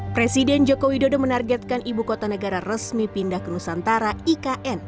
presiden joko widodo menargetkan ibu kota negara resmi pindah ke nusantara ikn